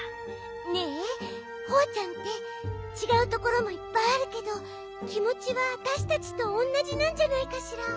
ねえホワちゃんってちがうところもいっぱいあるけどきもちはわたしたちとおんなじなんじゃないかしら。